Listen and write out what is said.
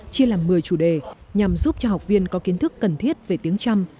chia làm một mươi chủ đề nhằm giúp cho học viên có kiến thức cần thiết về tiếng trăm